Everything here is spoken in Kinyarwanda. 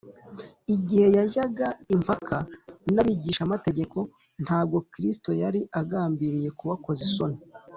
igihe yajyaga impaka n’abigishamategeko, ntabwo kristo yari agambiriye kubakoza isoni